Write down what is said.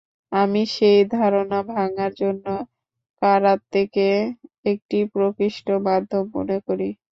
আমি সেই ধারণা ভাঙার জন্য কারাতেকে একটি প্রকৃষ্ট মাধ্যম মনে করি।